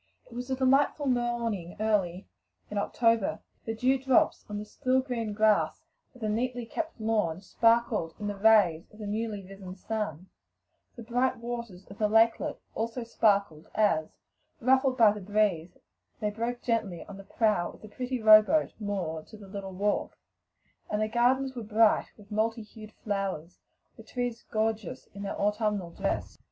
It was a delightful morning early in October: the dew drops on the still green grass of the neatly kept lawn sparkled in the rays of the newly risen sun; the bright waters of the lakelet also, as, ruffled by the breeze, they broke gently about the prow of the pretty row boat moored to the little wharf; the gardens were gay with bright hued flowers, the trees gorgeous in their autumnal dress.